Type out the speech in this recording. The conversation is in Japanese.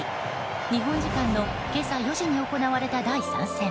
日本時間の今朝４時に行われた第３戦。